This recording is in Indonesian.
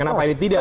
kenapa ini tidak